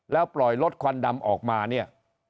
แล้วปล่อยรถควันดำออกมาเนี่ย